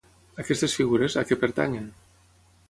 Aquestes figures, a què pertanyen?